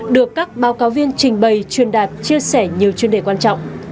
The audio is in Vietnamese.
được các báo cáo viên trình bày truyền đạt chia sẻ nhiều chuyên đề quan trọng